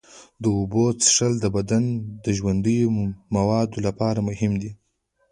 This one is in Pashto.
د اوبو څښل د بدن د ژوندیو موادو لپاره مهم دي.